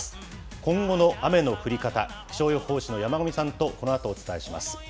今後の雨の降り方、気象予報士の山神さんとこのあとお伝えします。